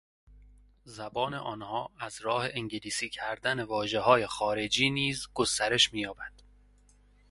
زبان آنها ازراه انگلیسی کردن واژه های خارجی نیز گسترش مییابد.